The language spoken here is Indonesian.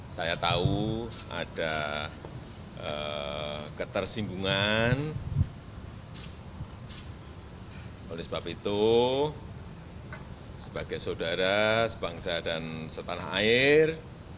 saya tahu ada ketersinggungan oleh sebab itu sebagai saudara sebangsa dan setanah air